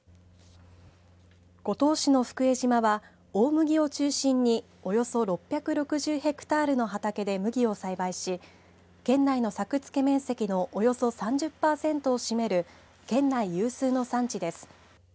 五島市の福江島は大麦を中心に、およそ６６０ヘクタールの畑で麦を栽培し県内の作付け面積のおよそ３０パーセントを占める県内有数の産地です。